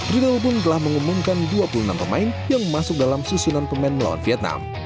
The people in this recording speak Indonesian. riedel pun telah mengumumkan dua puluh enam pemain yang masuk dalam susunan pemain melawan vietnam